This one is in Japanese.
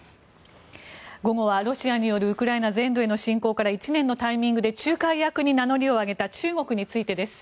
午後はロシアによるウクライナ全土の侵攻から１年のタイミングで仲介役に名乗りを上げた中国についてです。